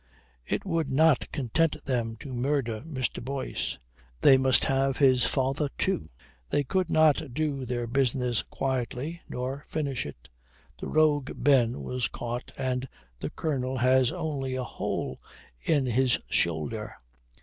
It would not content them to murder Mr. Boyce. They must have his father too. They could not do their business quietly nor finish it. The rogue Ben was caught and the Colonel has only a hole in his shoulder.